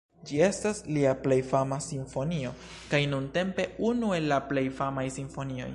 Ĝi estas lia plej fama simfonio, kaj nuntempe unu el la plej famaj simfonioj.